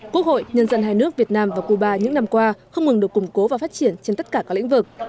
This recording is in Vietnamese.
quốc hội nhân dân hai nước việt nam và cuba những năm qua không ngừng được củng cố và phát triển trên tất cả các lĩnh vực